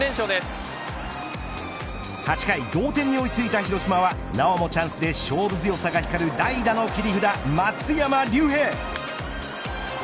８回、同点に追いついた広島はなおもチャンスで勝負強さが光る代打の切り札、松山竜平。